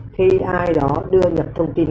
khi ai đó đưa nhập thông tin